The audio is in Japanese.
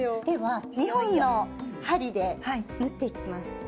では２本の針で縫っていきます。